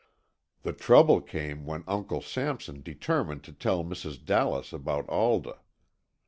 The trouble came when Uncle Sampson determined to tell Mrs. Dallas about Alda.